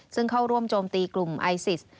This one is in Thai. ซึ่งเข้าร่วมโจมตีกลุ่มไอซิส